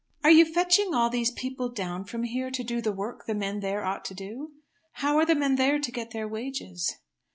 "Are you fetching all these people down from here to do the work the men there ought to do? How are the men there to get their wages?"